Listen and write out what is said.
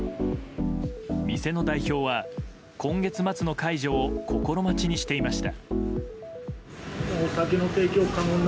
店の代表は今月末の解除を心待ちにしていました。